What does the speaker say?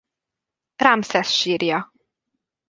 Ramszesz sírja.